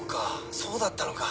そうだったのか。